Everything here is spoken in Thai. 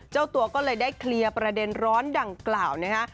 เจ้าตัวก็เลยได้เคลียร์ประเด็นร้อนดังกล่าวนะฮะ